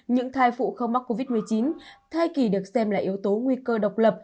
những thai phụ không mắc covid một mươi chín thai kỳ được xem là yếu tố nguy cơ độc lập